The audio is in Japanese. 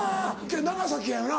長崎やよな？